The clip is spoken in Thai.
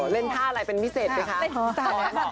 เร้นท่าไหนเป็นพิเศษได้คะ